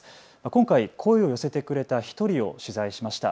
今回声を寄せてくれた１人を取材しました。